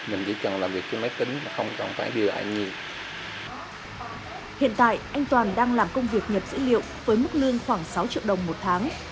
hiện tại anh toàn đang làm công việc nhập dữ liệu với mức lương khoảng sáu triệu đồng một tháng